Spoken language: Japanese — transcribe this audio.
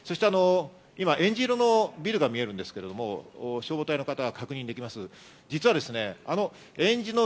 えんじ色のビルが見えるんですけど、消防隊の方、確認できます。